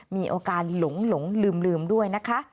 มีโอกาสหลงลืมด้วยนะคะ